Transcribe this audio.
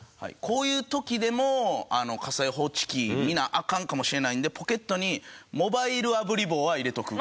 こういう時でも火災報知器見なアカンかもしれないんでポケットにモバイルあぶり棒は入れとく。